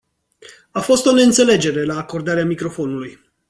A fost o neînțelegere la acordarea microfonului.